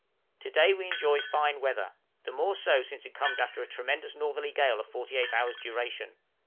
_ To day we enjoy fine weather, the more so since it comes after a tremendous northerly gale of forty eight hours' duration.